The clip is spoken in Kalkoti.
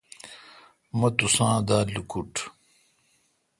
مہ توسان دا لوکٹ۔